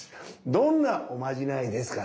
どんなおまじないですか？